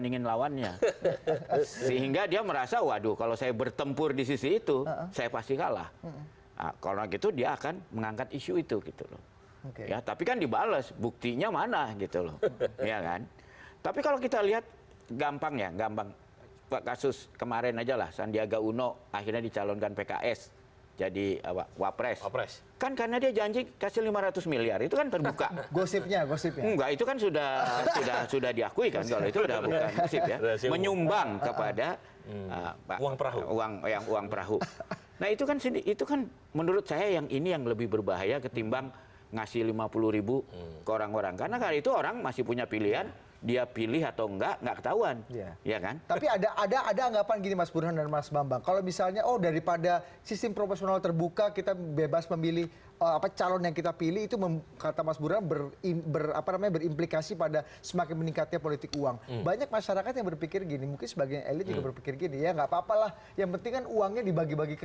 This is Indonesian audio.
gini mungkin sebagai elit berpikir gini ya nggak papa lah yang pentingkan uangnya dibagi bagi ke